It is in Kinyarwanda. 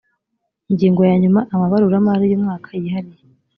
ingingo ya nyuma amabaruramari y umwaka yihariye